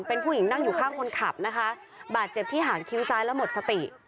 เป็นผู้หญิงนั่งอยู่ข้างคนขับนะคะบาดเจ็บที่หางคิ้วซ้ายแล้วหมดสติ